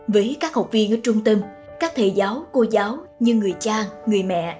với các học viên ở trung tâm các thầy giáo cô giáo như người cha người mẹ